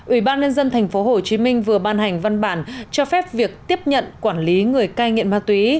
ủy ban nhân dân tp hcm vừa ban hành văn bản cho phép việc tiếp nhận quản lý người cai nghiện ma túy